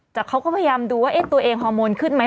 แต่เขาก็พยายามดูว่าตัวเองฮอร์โมนขึ้นไหม